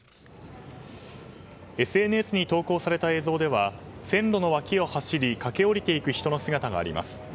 ＳＮＳに投稿された映像では線路の脇を走り、駆け下りていく人の姿があります。